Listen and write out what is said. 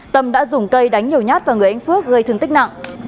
tâm đã dùng cây đánh nhiều nhát vào người anh phước gây thương tích nặng